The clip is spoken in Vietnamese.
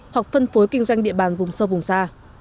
hoặc phân phối kinh doanh địa bàn vùng sâu vùng xa